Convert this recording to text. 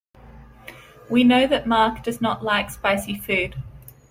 We know that Mark does not like spicy food.